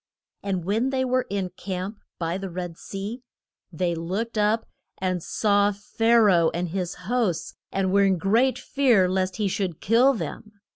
And when they were in camp by the Red Sea, they looked up and saw Pha ra oh and his hosts, and were in great fear lest he should kill them.